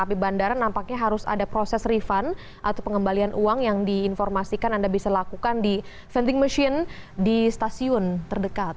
tapi bandara nampaknya harus ada proses refund atau pengembalian uang yang diinformasikan anda bisa lakukan di vending machine di stasiun terdekat